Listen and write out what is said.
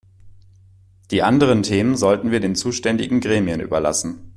Die anderen Themen sollten wir den zuständigen Gremien überlassen!